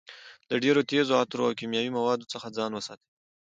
له ډېرو تېزو عطرو او کیمیاوي موادو څخه ځان وساتئ.